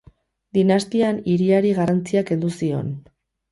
Dinastian, hiriari garrantzia kendu zion.